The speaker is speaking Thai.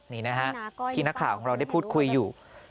ที่หน้าข่าวของเราพูดคุยอยู่